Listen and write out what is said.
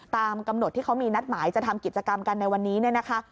ตามกำหนดที่เขามีนัดหมายจะทำกิจกรรมกันในวันนี้เนี่ยนะคะ